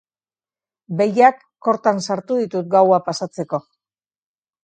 Behiak kortan sartu ditut gaua pasatzeko.